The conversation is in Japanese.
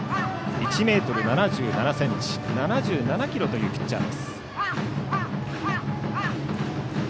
１ｍ７７ｃｍ、７７ｋｇというピッチャー。